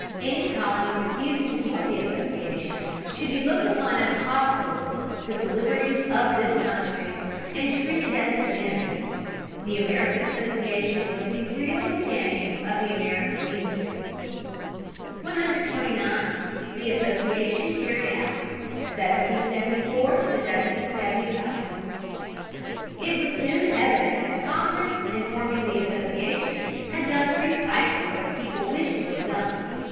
Any colony refusing to join the Association should be looked upon as hostile "to the liberties of this country," and treated as an enemy. The American Association was the real beginning of the American Union. [Sidenote: Resistance throughout the colonies 1774 75.] 129. The Association carried out, 1774 75. It was soon evident that Congress in forming the Association had done precisely what the people wished to have done.